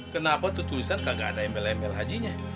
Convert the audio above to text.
kenapa tuh tulisan kagak ada mlml hajinya